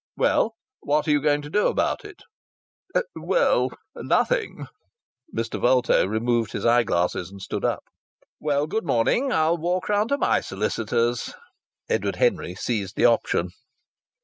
"Well, what are you going to do about it?" "Well nothing." Mr. Vulto removed his eyeglasses and stood up. "Well, good morning. I'll walk round to my solicitors." Edward Henry seized the option.